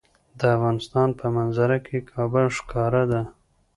د افغانستان په منظره کې کابل ښکاره ده.